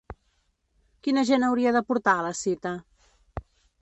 Quina gent hauria de portar a la cita?